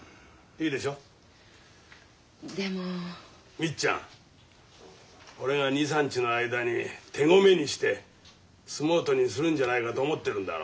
みっちゃん俺が２３日の間に手ごめにして相撲取りにするんじゃないかと思ってるんだろ。